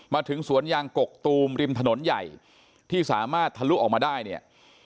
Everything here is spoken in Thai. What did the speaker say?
มาถึงสวนยางกกตูมริมถนนใหญ่ที่สามารถทะลุออกมาได้เนี่ย